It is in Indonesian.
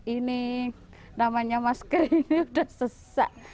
ini namanya masker ini udah sesak